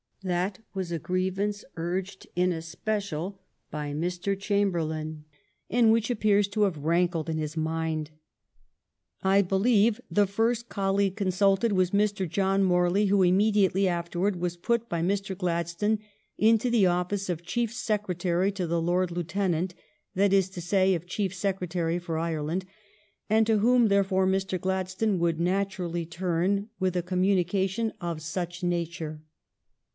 That w^as a grievance urged in especial by Mr. Chamberlain and which appears to have rankled in his mind. I believe the first colleague consulted was Mr. John Morley, who immediately afterward was put by Mr. Gladstone into the office of Chief Secre tary to the Lord Lieutenant, that is to say, of Chief Secretary for Ireland, and to whom there fore Mr. Gladstone would naturally turn with a communication of such nature.